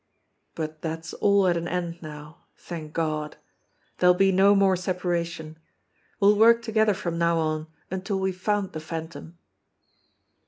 But that's all at an end now, thank God! There'll be no more separation. We'll work together from now on until we've found the Phantom."